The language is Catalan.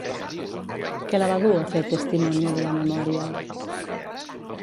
Què la va dur a fer Testimonio de la Memoria?